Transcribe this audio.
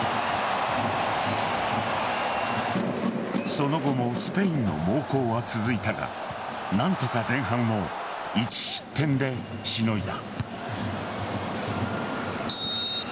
その後もスペインの猛攻は続いたが何とか前半を１失点でしのいだ。